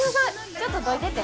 ちょっとどいてて。